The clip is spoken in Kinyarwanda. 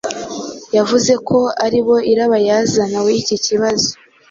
Yavuze ko ari bo irabayazana w'iki kibazo.